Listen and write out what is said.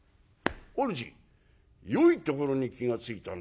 「主よいところに気が付いたな。